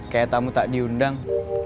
kayak tamu tak diundang